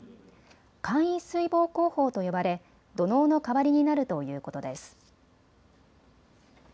簡易水防工法と呼ばれ、土のうの代わりになるということです。